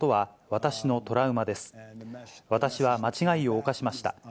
私は間違いを犯しました。